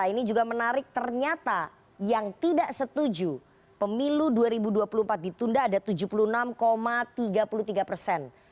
ini juga menarik ternyata yang tidak setuju pemilu dua ribu dua puluh empat ditunda ada tujuh puluh enam tiga puluh tiga persen